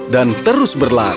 dan terus berlari